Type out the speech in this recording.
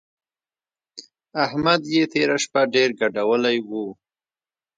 احمد يې تېره شپه ډېر ګډولی وو.